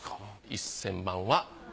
１，０００万円は。